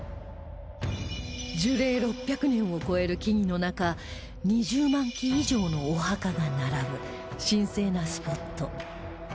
樹齢６００年を超える木々の中２０万基以上のお墓が並ぶ神聖なスポット